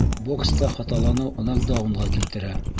Бокста хаталаныу нокдаунға килтерә.